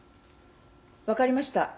分かりました。